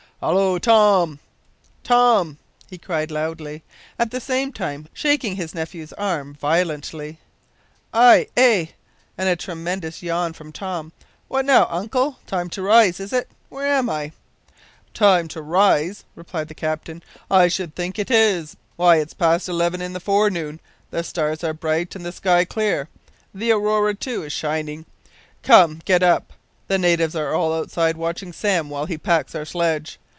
"Hallo! Tom! Tom!" cried he loudly, at the same time shaking his nephew's arm violently. "Aye, eh!" and a tremendous yawn from Tom. "What now, uncle? Time to rise, is it? Where am I?" "Time to rise!" replied the captain, laughing. "I should think it is. Why, it's past eleven in the forenoon. The stars are bright and the sky clear. The aurora, too, is shining. Come, get up! The natives are all outside watching Sam while he packs our sledge.